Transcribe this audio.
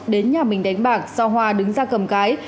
đến nhà mình đánh bạc sau hoa đứng ra cầm cái